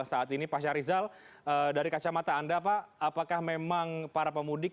saat ini pak syarizal dari kacamata anda pak apakah memang para pemudik